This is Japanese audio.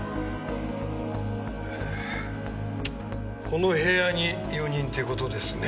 この部屋に４人ってことですね。